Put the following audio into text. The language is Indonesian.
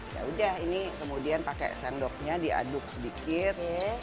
ya udah ini kemudian pakai sendoknya diaduk sedikit